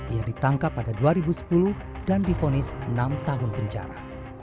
ia ditangkap pada dua ribu sepuluh dan difonis enam tahun penjara